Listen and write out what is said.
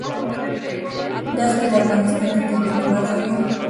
دښتې د افغانستان د طبیعت برخه ده.